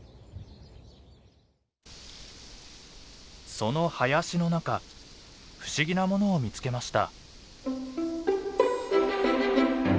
その林の中不思議なものを見つけました。